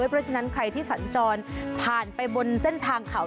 เพราะฉะนั้นใครที่สัญจรผ่านไปบนเส้นทางเขา